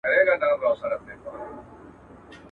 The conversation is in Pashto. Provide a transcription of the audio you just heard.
چي به خبره د پښتو چي د غیرت به سوله!